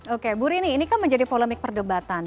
oke bu rini ini kan menjadi polemik perdebatan